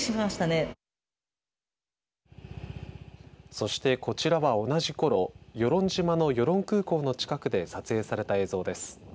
そしてこちらは同じころ与論島の与論空港の近くで撮影された映像です。